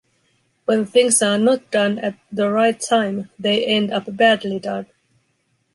When things are not done at the right time, they end up badly done.